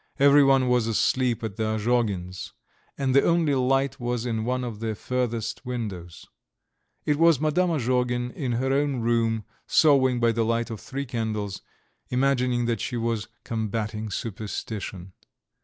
Everyone was asleep at the Azhogins', and the only light was in one of the furthest windows. It was Madame Azhogin in her own room, sewing by the light of three candles, imagining that she was combating superstition.